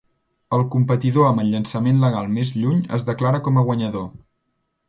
El competidor amb el llançament legal més lluny es declara com a guanyador.